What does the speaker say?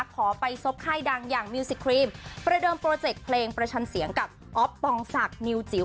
ขอไปซบค่ายดังอย่างมิวสิกครีมประเดิมโปรเจกต์เพลงประชันเสียงกับอ๊อฟปองศักดิวจิ๋ว